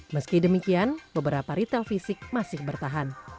meski demikian beberapa retail fisik masih bertahan